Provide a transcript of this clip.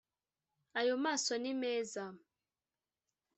ayo maso ni meza